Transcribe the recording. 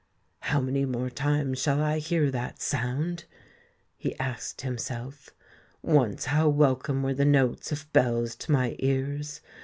"How many times more shall I hear that sound?" he asked himself. "Once how welcome were the notes of bells to my ears!